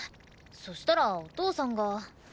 そしたらお父さんが。